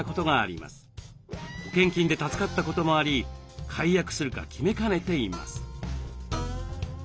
保険金で助かったこともあり解約するか決めかねています。